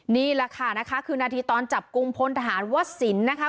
นี่แหละค่ะนะคะคือนาทีตอนจับกลุ่มพลทหารวสินนะคะ